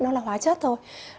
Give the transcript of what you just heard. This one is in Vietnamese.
nó là hóa chất thôi